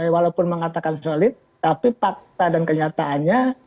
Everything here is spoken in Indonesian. walaupun mengatakan solid tapi fakta dan kenyataannya